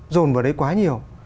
rồn vào đấy quá nhiều